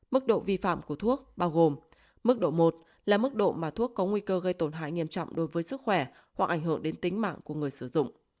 mức độ vi phạm của thuốc bao gồm mức độ một là mức độ mà thuốc có nguy cơ gây tổn hại nghiêm trọng đối với sức khỏe hoặc ảnh hưởng đến tính mạng của người sử dụng